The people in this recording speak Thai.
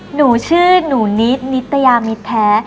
หนูชื่อหนูนิดนิตยามิตรแท้